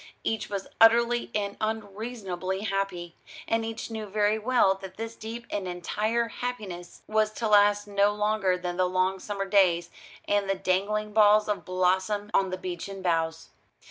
Each was utterly and unreasonably happy, and each knew very well that this deep and entire happiness was to last no longer than the long summer days and the dangling balls of blossom on the beechen boughs.